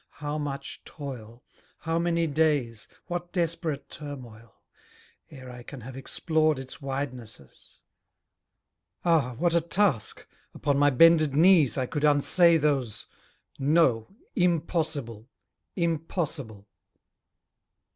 How much toil! How many days! what desperate turmoil! Ere I can have explored its widenesses. Ah, what a task! upon my bended knees, I could unsay those no, impossible! Impossible!